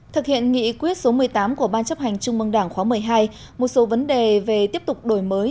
thực hiện nghị quyết số một mươi tám của ban chấp hành trung mương đảng khóa một mươi hai một số vấn đề về tiếp tục đổi mới